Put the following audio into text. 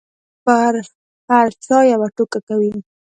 په هر چا یوه ټوکه کوي.